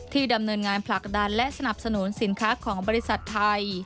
ดำเนินงานผลักดันและสนับสนุนสินค้าของบริษัทไทย